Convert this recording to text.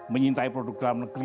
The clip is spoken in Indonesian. menyintai produk dalam negeri